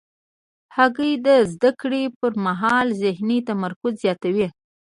هګۍ د زده کړې پر مهال ذهني تمرکز زیاتوي.